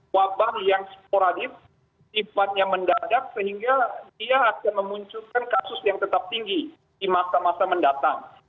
wabah yang sporatif sifatnya mendadak sehingga dia akan memunculkan kasus yang tetap tinggi di masa masa mendatang